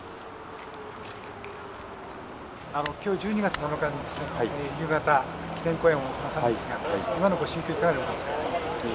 今日１２月７日に夕方記念講演をなされますが今のご心境いかがでございますか？